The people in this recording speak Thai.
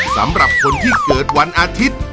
สำหรับคนที่เกิดวันอาทิตย์